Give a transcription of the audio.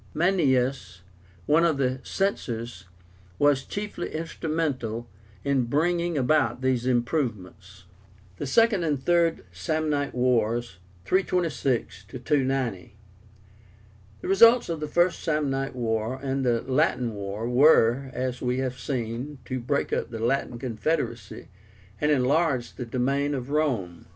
Maenius, one of the Censors, was chiefly instrumental in bringing about these improvements. THE SECOND AND THIRD SAMNITE WARS (326 290). The results of the First Samnite War and the Latin War were, as we have seen, to break up the Latin confederacy, and enlarge the domain of Rome.